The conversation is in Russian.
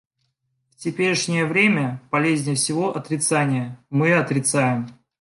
В теперешнее время полезнее всего отрицание - мы отрицаем.